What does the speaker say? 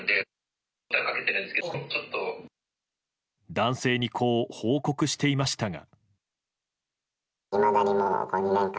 男性にこう報告していましたが。